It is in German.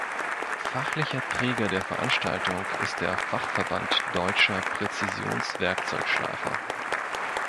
Fachlicher Träger der Veranstaltung ist der "Fachverband Deutscher Präzisions-Werkzeugschleifer".